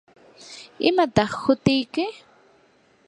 ¿imataq hutiyki?